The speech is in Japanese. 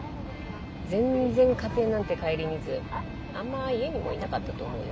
全然家庭なんて顧みずあんま家にもいなかったと思うよ。